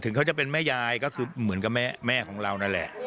เขาจะเป็นแม่ยายก็คือเหมือนกับแม่ของเรานั่นแหละ